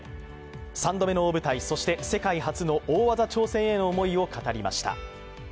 ３度目の大舞台、そして世界初の大技挑戦への思いを語りました。